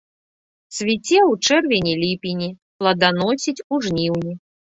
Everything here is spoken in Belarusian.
Цвіце ў чэрвені-ліпені, пладаносіць у жніўні.